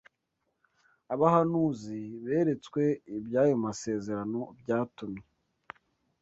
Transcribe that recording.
Abahanuzi beretswe iby’ayo masezerano byatumye